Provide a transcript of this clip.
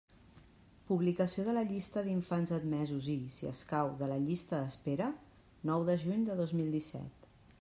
Publicació de la llista d'infants admesos i, si escau, de la llista d'espera: nou de juny de dos mil disset.